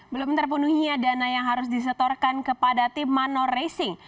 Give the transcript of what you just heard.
belum terpenuhinya dana yang harus disetorkan kepada tim manor racing